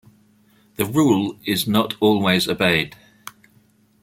The rule is not always obeyed.